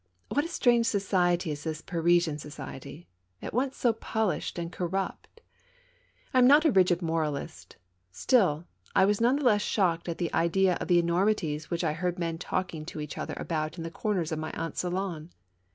What strange society is this Parisian society, at once so polished and corrupt! I am not a rigid moralist; still, I was none the less shocked at the idea of the enor mities which I heard men talking to each other about in Pie corners of my aunt's salon.